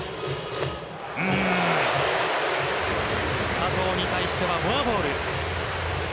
佐藤に対してはフォアボール。